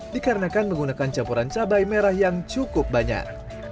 dikarenakan menggunakan campuran cabai merah yang cukup banyak